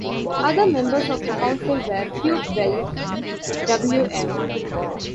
Other members of the Council were Hugh Bell, Wm.